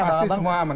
pasti semua aman